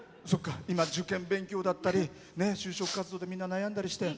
受験勉強だったり就職活動でみんな悩んだりして。